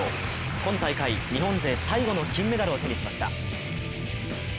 今大会、日本勢最後の金メダルを手にしました。